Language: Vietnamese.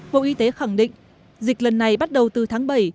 bộ y tế khẳng định dịch lần này bắt đầu từ tháng bảy